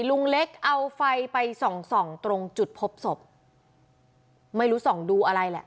ลุงเล็กเอาไฟไปส่องส่องตรงจุดพบศพไม่รู้ส่องดูอะไรแหละ